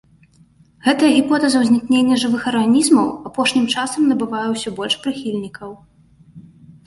Гэтая гіпотэза ўзнікнення жывых арганізмаў апошнім часам набывае ўсё больш прыхільнікаў.